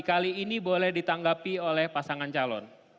kali ini boleh ditanggapi oleh pasangan calon